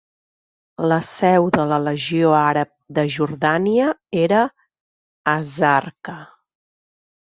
La seu de la Legió Àrab de Jordània era a Zarqa.